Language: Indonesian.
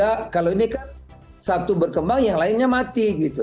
kalau ini kan satu berkembang yang lainnya mati